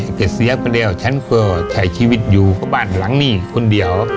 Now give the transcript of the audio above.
แล้วก็เดี๋ยวฉันก็ใช่ชีวิตอยู่ในบ้านหลังนี้คนเดียว